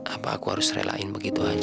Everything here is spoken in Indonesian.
apa aku harus relain begitu aja